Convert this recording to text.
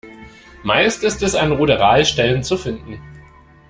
Meist ist es an Ruderalstellen zu finden.